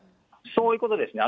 そういうことですね。